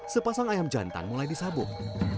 sepasang ayam jantan mulai disabuk